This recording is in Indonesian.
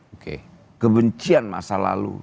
oke kebencian masa lalu